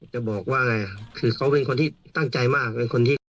จะบอกว่าไงคือเขาเป็นคนที่ตั้งใจมากเป็นคนที่